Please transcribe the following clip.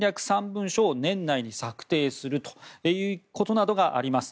３文書を年内に策定するということなどがあります。